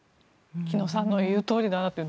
紀さんの言うとおりだなって。